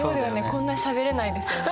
こんなしゃべれないですよね。